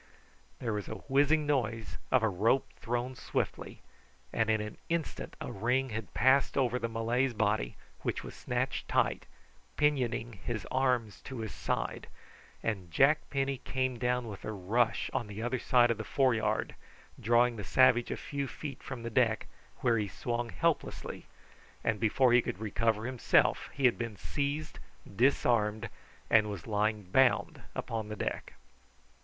There was the whizzing noise of a rope thrown swiftly, and in an instant a ring had passed over the Malay's body, which was snatched tight, pinioning his arms to his side, and Jack Penny came down with a rush on the other side of the fore yard, drawing the savage a few feet from the deck, where he swung helplessly, and before he could recover himself he had been seized, disarmed, and was lying bound upon the deck.